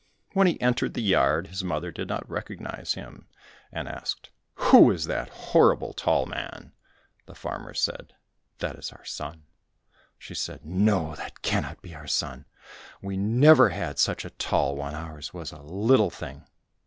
When he entered the yard, his mother did not recognize him, and asked, "Who is that horrible tall man?" The farmer said, "That is our son." She said, "No that cannot be our son, we never had such a tall one, ours was a little thing."